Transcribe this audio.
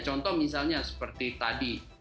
contoh misalnya seperti tadi